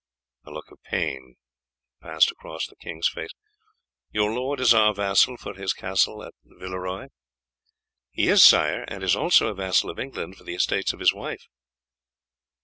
A look of pain passed across the king's face. "Your lord is our vassal for his castle at Villeroy?" "He is, sire, and is also a vassal of England for the estates of his wife."